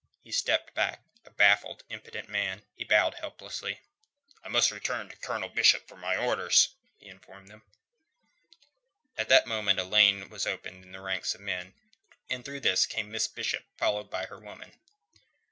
He stepped back, a baffled, impotent man. He bowed helplessly. "I must return to Colonel Bishop for my orders," he informed them. At that moment a lane was opened in the ranks of the men, and through this came Miss Bishop followed by her octoroon woman.